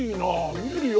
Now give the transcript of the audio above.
見えるよ